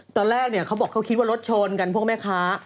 ตอนแรกเนี่ยเขาบอกเขาคิดว่ารถชนกันพวกแม่ค้า